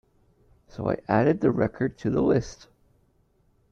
So I added the record to the list.